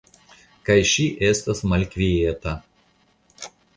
Kaj ŝi estas malkvieta.